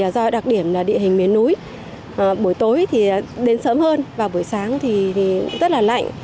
do đặc điểm là địa hình miền núi buổi tối thì đến sớm hơn vào buổi sáng thì rất là lạnh